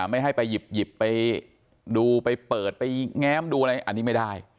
ไม่ให้ไปหยิบไปดูไปเปิดไปแง้มดูอะไรอันนี้ไม่ได้